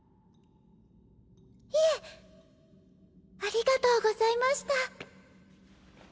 いえありがとうございました。